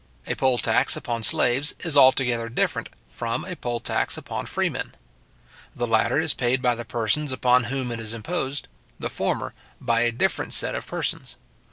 A poll tax upon slaves is altogether different from a poll tax upon freemen. The latter is paid by the persons upon whom it is imposed; the former, by a different set of persons.